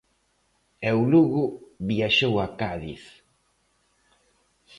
E o Lugo viaxou a Cádiz.